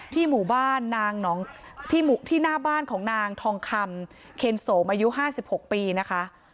หมู่บ้านนางที่หน้าบ้านของนางทองคำเคนโสมอายุ๕๖ปีนะคะ